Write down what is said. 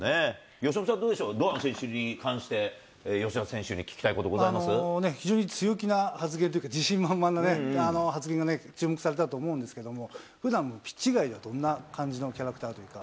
由伸さん、どうでしょう、堂安選手に関して、吉田選手に聞きたい非常に強気な発言というか、自信満々なね、発言がね、注目されたと思うんですけれども、ふだん、ピッチ外ではどんなキャラクターというか。